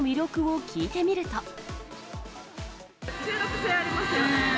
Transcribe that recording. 中毒性ありますよね。